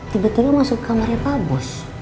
tiba tiba masuk ke kamarnya pa bos